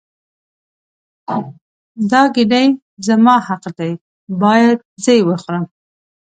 دا ګیډۍ زما حق دی باید زه یې وخورم.